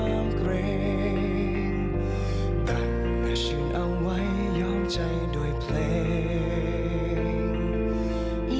ความเกรงแต่ให้ชื่นเอาไว้ยอมใจด้วยเพลง